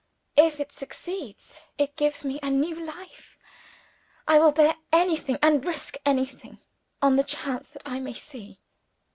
If it succeeds, it gives me a new life. I will bear anything, and risk anything, on the chance that I may see."